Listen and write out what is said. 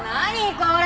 これ！